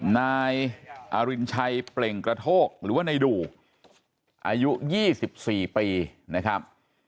นายอรินชัยเปล่งกระโทกหรือว่าในดูอายุ๒๔ปีนะครับ